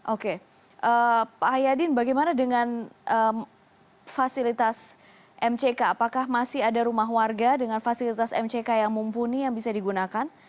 oke pak hayadin bagaimana dengan fasilitas mck apakah masih ada rumah warga dengan fasilitas mck yang mumpuni yang bisa digunakan